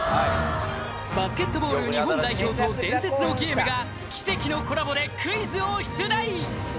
バスケットボール日本代表と伝説のゲームが奇跡のコラボでクイズを出題！